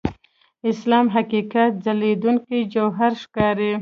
اسلام حقیقت ځلېدونکي جوهر ښکاري.